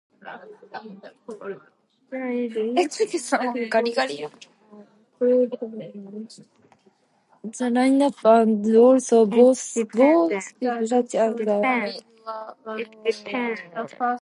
The line-up also boasted such acts as Cradle of Filth, Biohazard and Slayer.